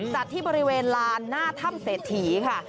จัดที่บริเวณลานหน้าถ้ำเศรษฐีค่ะ